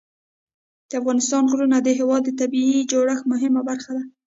د افغانستان غرونه د هېواد د طبیعي جوړښت مهمه برخه ده.